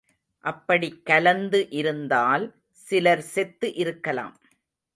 அப்படிக் கலந்து இருந்தால் சிலர் செத்து இருக்கலாம்.